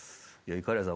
いかりやさん